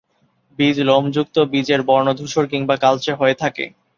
বীজ লোম যুক্ত, বীজের বর্ণ ধূসর কিংবা কালচে হয়ে থাকে।